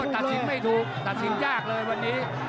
ตัดสินไม่ถูกตัดสินยากเลยวันนี้